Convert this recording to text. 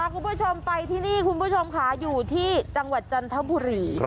คุณผู้ชมไปที่นี่คุณผู้ชมค่ะอยู่ที่จังหวัดจันทบุรี